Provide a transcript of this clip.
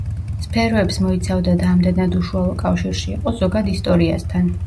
სფეროებს მოიცავდა და ამდენად უშუალო კავშირში იყო ზოგად ისტორიასთან.